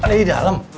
ada di dalam